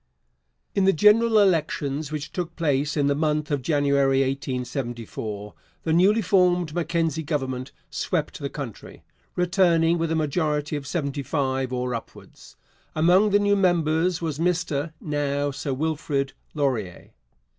In the general elections, which took place in the month of January 1874, the newly formed Mackenzie Government swept the country, returning with a majority of seventy five or upwards. Among the new members was Mr (now Sir Wilfrid) Laurier.